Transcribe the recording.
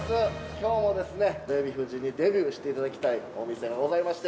きょうもですね、デヴィ夫人にデビューしていただきたいお店がございまして。